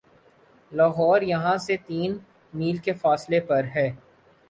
لاہور یہاں سے تین میل کے فاصلے پر ہے